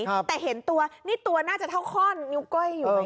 แต่เห็นตัวนี่ตัวน่าจะเท่าข้อนนิ้วก้อยอยู่ไหม